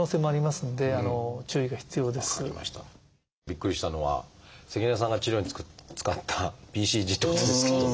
びっくりしたのは関根さんが治療に使ったＢＣＧってことですけど。